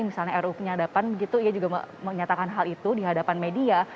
misalnya ruu penyadapan begitu ia juga menyatakan hal itu di hadapan media